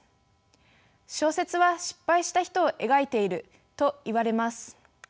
小説は失敗した人を描いているといわれます。